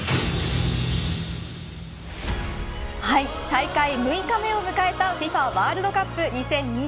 大会６日目を迎えたＦＩＦＡワールドカップ２０２２。